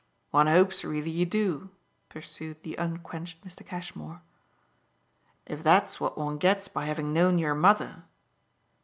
"One hopes really you do," pursued the unquenched Mr. Cashmore. "If that's what one gets by having known your mother